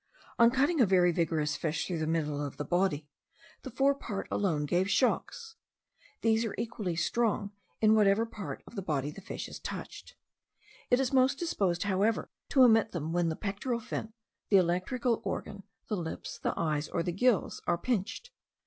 On cutting a very vigorous fish through the middle of the body, the fore part alone gave shocks. These are equally strong in whatever part of the body the fish is touched; it is most disposed, however, to emit them when the pectoral fin, the electrical organ, the lips, the eyes, or the gills, are pinched.